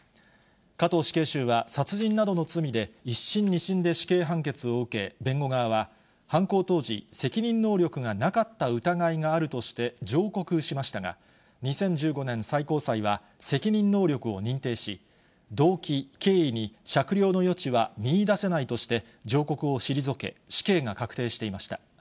加藤死刑囚は、殺人などの罪で１審、２審で死刑判決を受け、弁護側は、犯行当時、責任能力がなかった疑いがあるとして、上告しましたが、２０１５年、最高裁は責任能力を認定し、動機、経緯に酌量の余地は見いだせないとして、上告を退け、死刑が確定していました。